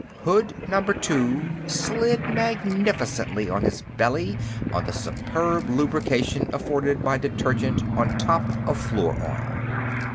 Hood number two slid magnificently on his belly on the superb lubrication afforded by detergent on top of floor oil.